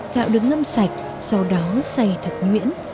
gạo được ngâm sạch sau đó xay thật nhuyễn